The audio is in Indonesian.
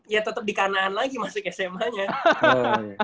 ya tetep di kanan lagi masuk sma nya